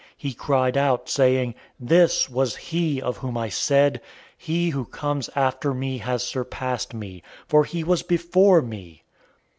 He cried out, saying, "This was he of whom I said, 'He who comes after me has surpassed me, for he was before me.'"